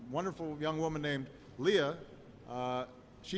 wanita muda yang indah namanya leah